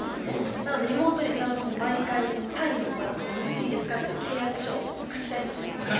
なので妹にちゃんと毎回サインをもらって載せていいですかという契約書を書きたいと思いますね。